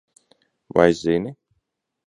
Vai zini?